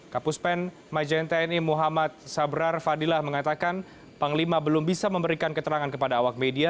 kapuspen majen tni muhammad sabrar fadilah mengatakan panglima belum bisa memberikan keterangan kepada awak media